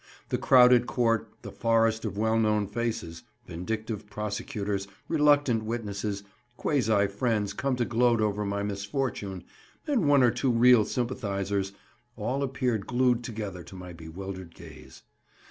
The crowded Court, the forest of well known faces—vindictive prosecutors, reluctant witnesses, quasi friends come to gloat over my misfortune, and one or two real sympathisers—all appeared glued together to my bewildered gaze.